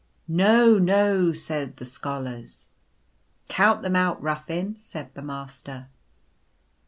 " No, no," said the Scholars. cc Count them out, Ruffin," said the Master.